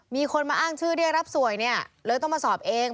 มีคนมาอ้างชื่อได้รับสวยเนี่ยเลยต้องมาสอบเอง